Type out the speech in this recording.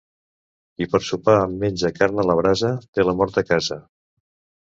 Qui per sopar menja carn a la brasa té la mort a casa.